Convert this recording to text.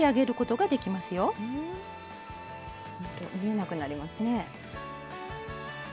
ほんと見えなくなりますね。